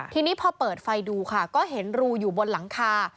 ทีนี้พอเปิดไฟดูค่ะก็เห็นรูอยู่บนหลังคา